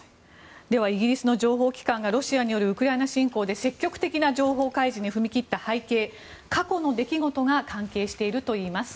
ではイギリスの情報機関がロシアによるウクライナ侵攻で積極的な情報開示に踏み切った背景過去の出来事が関係しているといいます。